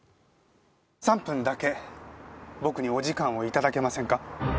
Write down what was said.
３分だけ僕にお時間を頂けませんか。